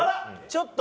ちょっと。